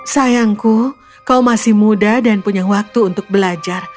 sayangku kau masih muda dan punya waktu untuk belajar